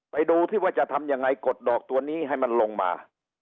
ไปดูที่ว่าจะทำยังไงกดดอกตัวนี้ให้มันลงมา